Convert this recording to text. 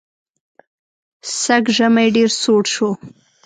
سږ ژمی ډېر سوړ شو.